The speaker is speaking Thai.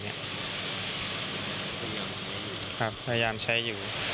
พยายามใช้อยู่